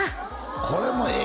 これもええ